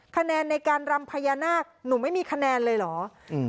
คะแนนในการรำพญานาคหนูไม่มีคะแนนเลยเหรออืม